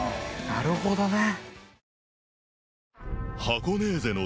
なるほどね。